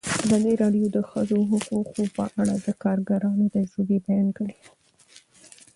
ازادي راډیو د د ښځو حقونه په اړه د کارګرانو تجربې بیان کړي.